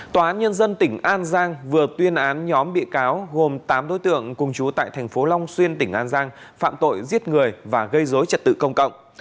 tòa án nhân dân tỉnh an giang vừa tuyên án nhóm bị cáo gồm tám đối tượng cùng chú tại thành phố long xuyên tỉnh an giang phạm tội giết người và gây dối trật tự công cộng